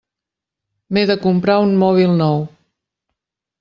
M'he de comprar un mòbil nou.